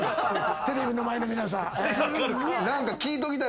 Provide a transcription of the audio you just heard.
テレビの前の皆さん。